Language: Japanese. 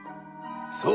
そう。